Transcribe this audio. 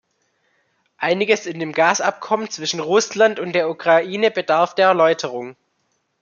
Einiges in dem Gasabkommen zwischen Russland und der Ukraine bedarf der Erläuterung.